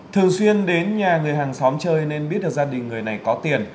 thường xuyên đến nhà người hàng xóm chơi nên biết được gia đình người này có tiền